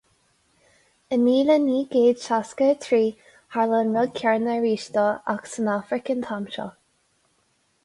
I míle naoi gcéad seasca a trí, tharla an rud céanna arís dó ach san Afraic an t-am seo.